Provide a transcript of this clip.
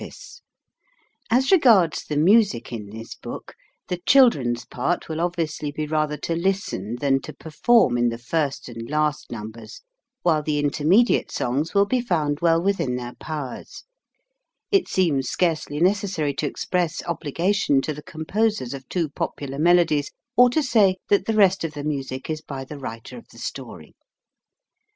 1890 BALLANTYNE, HANSON AND CO, EDINBURGH AND LONDON PREFACE |S regards the music in this book, the children's part will obviously be rather to listen than to perform in the first and last numbers, while the intermediate songs will be found well within their powers. It seems scarcely necessary to express obli gation to the composers of two popular melodies, or to say that the rest of the music is by the writer of the story.